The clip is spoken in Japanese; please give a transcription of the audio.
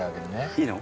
いいの？